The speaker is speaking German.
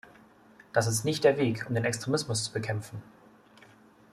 Das ist nicht der Weg, um den Extremismus zu bekämpfen.